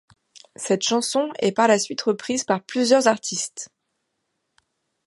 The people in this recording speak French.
Cette chanson est par la suite reprise par plusieurs artistes.